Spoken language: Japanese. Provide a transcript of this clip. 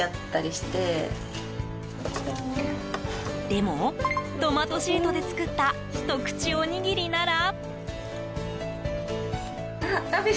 でも、トマトシートで作ったひと口おにぎりなら。